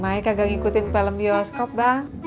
mai kagak ngikutin film bioskop bang